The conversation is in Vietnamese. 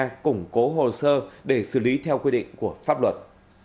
cơ quan công an đang củng cố hồ sơ để xử lý theo quy định của pháp luật